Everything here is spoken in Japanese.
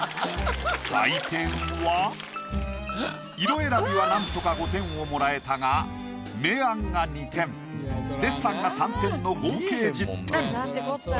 採点は色選びはなんとか５点をもらえたが明暗が２点デッサンが３点の合計１０点。